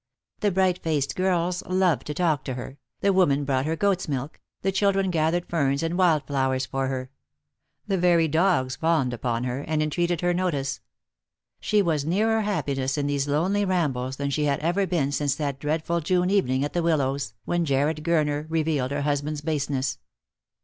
The bright faced girls loved to talk to her, the women brought her goat's milk, the children gathered ferns and wild* flowers for her. The very dogs fawned upon her, and entreated her notice. She was nearer happiness in these lonely rambles than she had ever been since that dreadful June evening at the Willows, when Jarred Gurner revealed her husband's baseness.